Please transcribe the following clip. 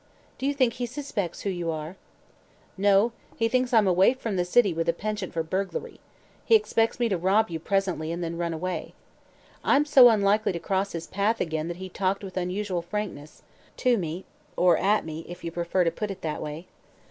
"Do you think he suspects who you are?" "No; he thinks I'm a waif from the city with a penchant for burglary. He expects me to rob you, presently, and then run away. I'm so unlikely to cross his path again that he talked with unusual frankness to me or at me, if you prefer to put it that way.